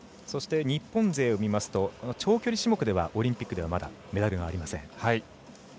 日本勢を見ますと長距離種目ではオリンピックではまだメダルはありません。